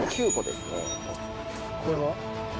これは？